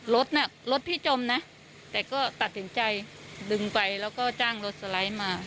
รถน่ะรถพี่จมนะแต่ก็ตัดสินใจดึงไปแล้วก็จ้างรถสไลด์มา